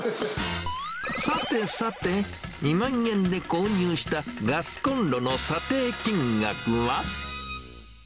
さてさて、２万円で購入したガスコンロの査定金額は？